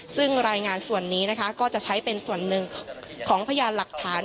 ซึ่งรายงานส่วนนี้นะคะก็จะใช้เป็นส่วนหนึ่งของพยานหลักฐาน